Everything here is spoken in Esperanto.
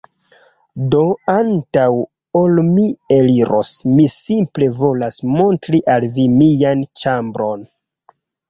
Do, antaŭ ol mi eliros, mi simple volas montri al vi mian ĉambron